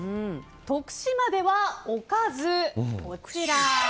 徳島ではおかず、こちら。